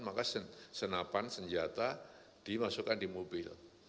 maka senapan senjata dimasukkan di mobil